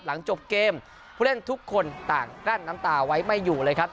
หลังจบเกมผู้เล่นทุกคนต่างกลั้นน้ำตาไว้ไม่อยู่เลยครับ